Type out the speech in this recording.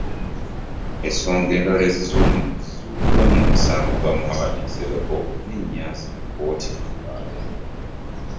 Ensonga endala zizuuliddwa mu musango gwa Muhammad Nsereko ne Nyanzi mu kkooti olwa leero.